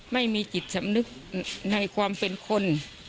ไม่มีจิตสำนึกในความเป็นคน